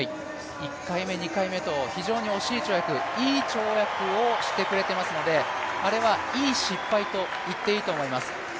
１回目、２回目と非常に惜しい跳躍、いい跳躍をしてくれていますので、あれはいい失敗と言っていいと思います。